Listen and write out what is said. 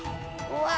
うわ！